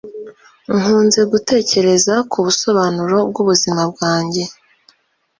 Nkunze gutekereza ku busobanuro bwubuzima bwanjye.